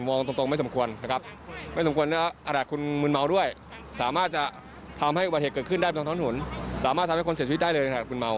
ตรงไม่สมควรนะครับไม่สมควรนะครับขนาดคุณมืนเมาด้วยสามารถจะทำให้อุบัติเหตุเกิดขึ้นได้บนท้องถนนสามารถทำให้คนเสียชีวิตได้เลยนะครับคุณเมา